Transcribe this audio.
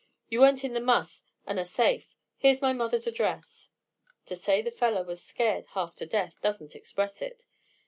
You weren't in the muss and are safe. Here's my mother's address." To say the fellow was scared half to death doesn't express it.